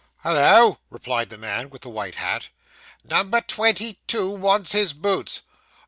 'Hollo,' replied the man with the white hat. 'Number twenty two wants his boots.